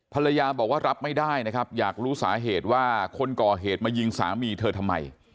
ภรรยาบอกว่ารับไม่ได้นะครับอยากรู้สาเหตุว่าคนก่อเหตุมายิงสามีเธอทำไม